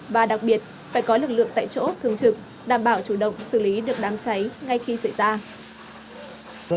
và đặc biệt phải có lực lượng tại chỗ thường trực đảm bảo chủ động xử lý được đám cháy ngay khi xảy ra